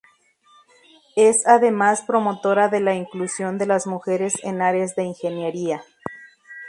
Es además promotora de la inclusión de las mujeres en áreas de ingeniería.